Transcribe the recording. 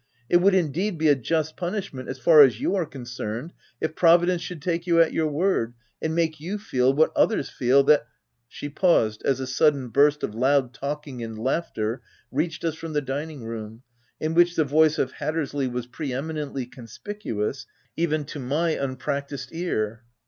It would OF WILDFELL HALL 223 indeed be a just punishment, as far as you are concerned, if providence should take you at your word, and make you feel what others feel that —" She paused as a sudden burst of loud talking and laughter reached us from the dining room, in which the voice of Hattersley was pre eminently conspicuous, even to my unprac tised ear.